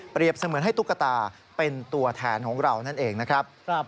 เสมือนให้ตุ๊กตาเป็นตัวแทนของเรานั่นเองนะครับ